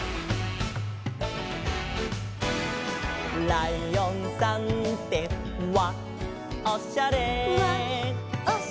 「ライオンさんってわっおしゃれ」「」